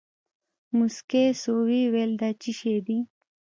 موسکى سو ويې ويل دا چي شې دي.